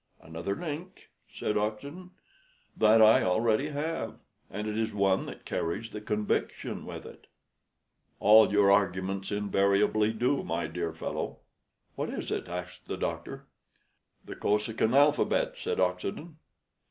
"Another link?" said Oxenden. "That I already have; and it is one that carries conviction with it." "All your arguments invariably do, my dear fellow." "What is it?" asked the doctor. "The Kosekin alphabet," said Oxenden.